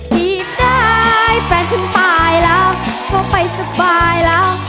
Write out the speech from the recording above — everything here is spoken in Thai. หนีบได้แฟนฉันตายแล้วเพราะไปสบายแล้ว